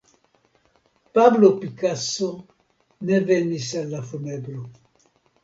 Pablo Picasso ne venis al la funebro.